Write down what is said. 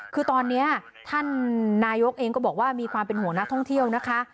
คือตอนนี้ท่านนายกเองก็บอกว่ามีความเป็นห่วงนักท่องเที่ยวนะคะ